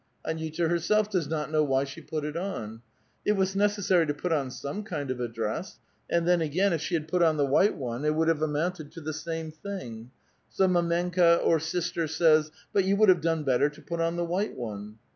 Ani uta herself does not know why she put it on. It was neces sary to put on some kind of a dress ; and then, again, if she had put on the white one, it would have amounted to the same thing. So mdmenka (or 'sister') says, 'But yon would have done better to put on the white one.'